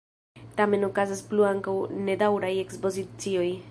Tamen okazas plu ankaŭ nedaŭraj ekspozicioj.